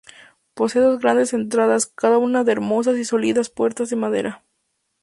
Posee dos grandes entradas, cada una de hermosas y sólidas puertas de madera.